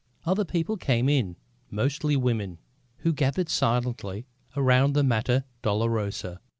Other people came in, mostly women, who gathered silently around the Mater Dolorosa.